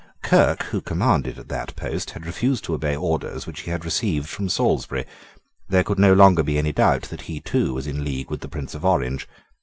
Kirke, who commanded at that post, had refused to obey orders which he had received from Salisbury. There could no longer be any doubt that he too was in league with the Prince of Orange.